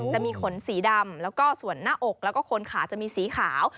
จะมีขนสีดำแล้วก็ส่วนหน้าอกแล้วก็คนขาจะมีสีขาว